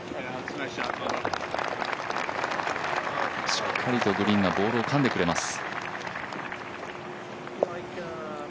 しっかりとグリーンがボールをかんでくれます。